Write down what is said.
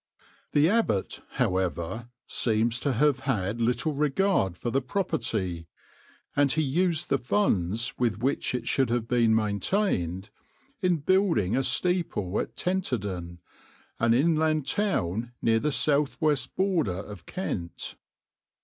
The abbot, however, seems to have had little regard for the property, and he used the funds with which it should have been maintained in building a steeple at Tenterden, an inland town near the south west border of Kent.